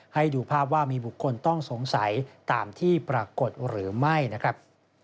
ให้ดูภาพว่ามีบุคคลต้องสงสัยตามที่ปรากฏหรือไม่นะครับ